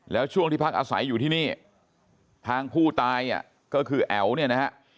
แล้วช่วงที่พักอาศัยอยู่ที่นี่ทางผู้ตายก็คือแอ๋วเนี่ยนะฮะ